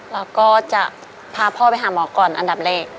เราก็จะพาพ่อไปหาหมอก่อนอันดับแรก